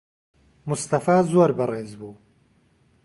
موستەفا زۆر بەڕێز بوو.